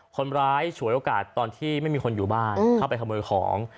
ฉวยโอกาสตอนที่ไม่มีคนอยู่บ้านเข้าไปขโมยของ